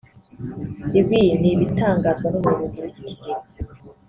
Ibi ni ibitangazwa n’umuyobozi w’iki kigega